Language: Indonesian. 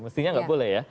mestinya nggak boleh ya